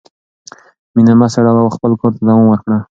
مینه مه سړوه او خپل کار ته دوام ورکړه.